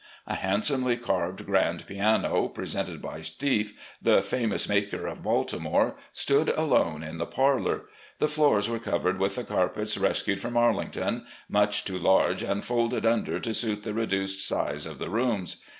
A handsomely carved grand piano, presented by Stieff, the famous maker of Baltimore, stood alone in the parlour. The floors were covered with the carpets rescued from Arlington — ^much too large and folded tuider to suit the reduced size of the rooms.